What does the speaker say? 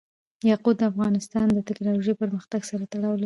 یاقوت د افغانستان د تکنالوژۍ پرمختګ سره تړاو لري.